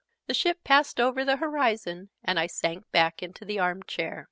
The ship passed over the horizon and I sank back into the arm chair.